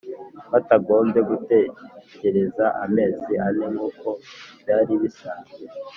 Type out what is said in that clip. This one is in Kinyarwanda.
batagombye gutegereza amezi ane nk’ uko byari bisanzwe